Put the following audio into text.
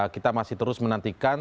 kita masih terus menantikan